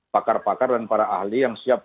pakar pakar dan para ahli yang siap